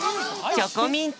チョコミント。